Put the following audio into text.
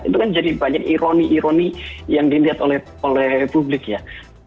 itu kan jadi banyak ironi ironi yang dilihat oleh publik ya